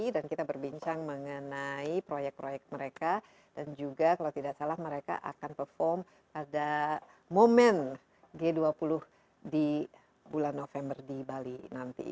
dan kita berbincang mengenai project project mereka dan juga kalau tidak salah mereka akan perform pada moment g dua puluh di bulan november di bali nanti